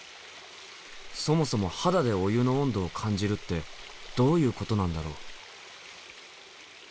そもそも肌でお湯の温度を感じるってどういうことなんだろう？